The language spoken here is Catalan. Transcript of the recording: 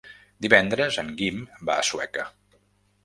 Divendres en Guim va a Sueca.